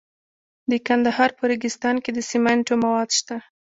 د کندهار په ریګستان کې د سمنټو مواد شته.